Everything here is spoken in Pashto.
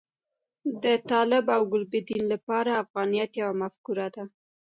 د طالب او ګلبدین لپاره افغانیت یوه مفکوره ده.